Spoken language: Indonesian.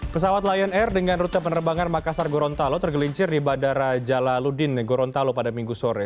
pesawat lion air dengan rute penerbangan makassar gorontalo tergelincir di bandara jalaludin gorontalo pada minggu sore